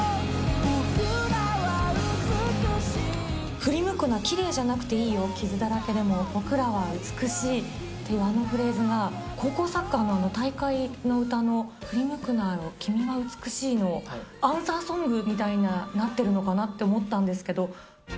振り向くな、きれいじゃなくていいよ、傷だらけでも僕らは美しいっていうあのフレーズが高校サッカーの大会の歌の、ふり向くな君は美しいのアンサーソングみたいになってるのかなって思ったんですけど。